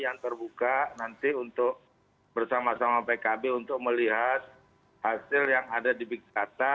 yang terbuka nanti untuk bersama sama pkb untuk melihat hasil yang ada di big data